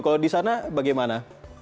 kalau di sana bagaimana